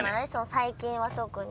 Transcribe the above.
最近は特に。